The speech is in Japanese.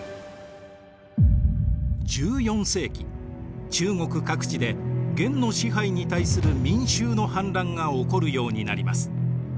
１４世紀中国各地で元の支配に対する民衆の反乱が起こるようになります。